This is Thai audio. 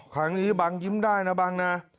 ครั้งนี้บังยิ้มได้นะบังนะ